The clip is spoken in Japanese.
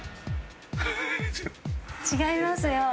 違いますよ。